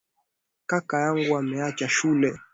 Kaka yangu ameacha shule